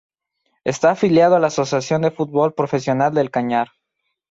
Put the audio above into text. Está afiliado a la Asociación de Fútbol Profesional del Cañar.